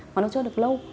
và nó chưa được lâu